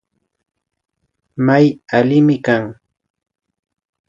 May allimi kan